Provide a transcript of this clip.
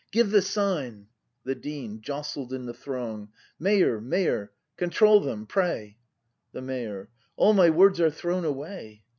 Give the sign! The Dean. [Jostled in the throng l\ Mayor, Mayor, control them, pray! The Mayor. All my words are thrown away!